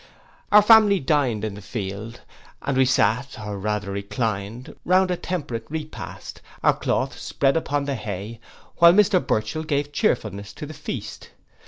Our family dined in the field, and we sate, or rather reclined, round a temperate repast, our cloth spread upon the hay, while Mr Burchell gave cheerfulness to the feast.